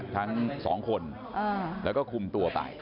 ทั้งสองคนแล้วก็คุมตัวไป